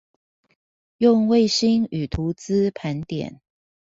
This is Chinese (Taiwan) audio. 用衛星與圖資盤點